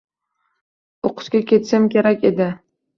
O’qishga ketishim kerak edi